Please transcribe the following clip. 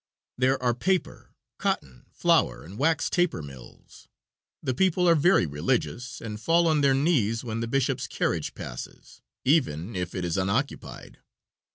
There are paper, cotton, flour and wax taper mills. The people are very religious, and fall on their knees when the bishop's carriage passes, even if it is unoccupied.